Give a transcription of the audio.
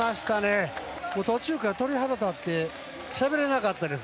途中から鳥肌立ってしゃべれなかったです。